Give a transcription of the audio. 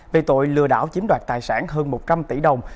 về tội lừa đảo chiếm đoạt tài sản hơn một trăm linh tỷ đồng